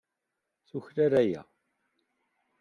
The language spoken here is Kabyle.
Tuklal aya.